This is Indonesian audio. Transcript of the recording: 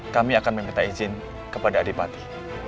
kami akan meminta izin kepada adik padi